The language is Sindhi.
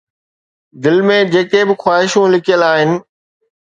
دل ۾ جيڪي به خواهشون لڪيل آهن